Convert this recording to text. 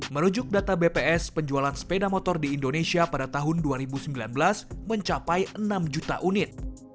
merujuk data bps penjualan sepeda motor di indonesia pada tahun dua ribu sembilan belas mencapai enam juta unit